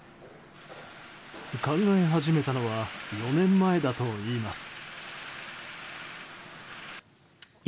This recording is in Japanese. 考え始めたのは４年前だといいます。